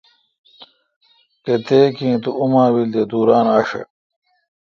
کتیک ایں تو ام بیل تہ تو ران آݭہ۔